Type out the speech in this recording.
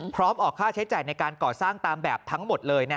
ออกค่าใช้จ่ายในการก่อสร้างตามแบบทั้งหมดเลย